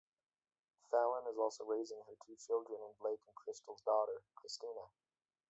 Fallon is also raising her two children and Blake and Krystle's daughter, Krystina.